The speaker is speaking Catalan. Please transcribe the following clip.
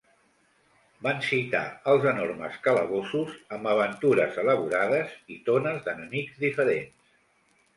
Van citar els enormes calabossos amb aventures elaborades i tones d'enemics diferents.